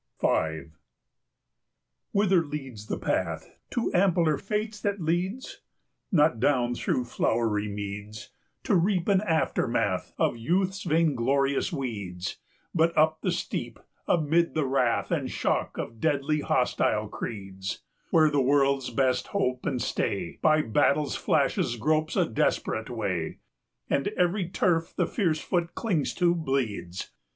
V. Whither leads the path To ampler fates that leads? Not down through flowery meads, 110 To reap an aftermath Of youth's vainglorious weeds; But up the steep, amid the wrath And shock of deadly hostile creeds, Where the world's best hope and stay 115 By battle's flashes gropes a desperate way, And every turf the fierce foot clings to bleeds.